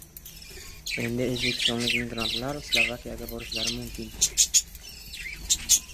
Endi o‘zbekistonlik migrantlar Slovakiyaga borishlari mumkin